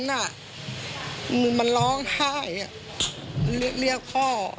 แมมมันล้องห้ายเรียกพ่อ